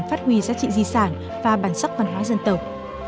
phát huy giá trị di sản và bản sắc văn hóa dân tộc